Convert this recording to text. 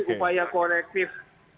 ini upaya korektif